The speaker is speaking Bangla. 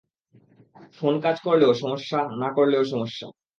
ফোন কাজ করলেও সমস্যা না করলেও সমস্যা।